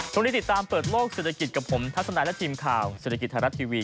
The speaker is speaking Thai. ช่วงนี้ติดตามเปิดโลกเศรษฐกิจกับผมทัศนายและทีมข่าวเศรษฐกิจธรรมดิการ์ทีวี